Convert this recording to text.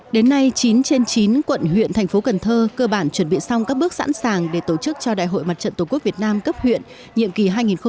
đến nay chín trên chín quận huyện thành phố cần thơ cơ bản chuẩn bị xong các bước sẵn sàng để tổ chức cho đại hội mặt trận tổ quốc việt nam cấp huyện nhiệm kỳ hai nghìn một mươi chín hai nghìn hai mươi bốn